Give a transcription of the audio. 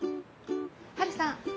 ハルさん。